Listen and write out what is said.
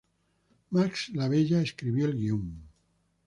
Max La Bella escribió el guion.